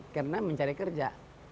karena mencari kerja